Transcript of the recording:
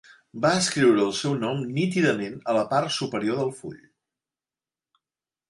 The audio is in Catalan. Va escriure el seu nom nítidament a la part superior del full.